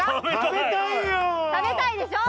食べたいでしょ？